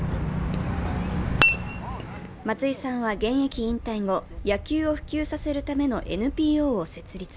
松井さんは現役引退後、野球を普及させるためのＮＰＯを設立。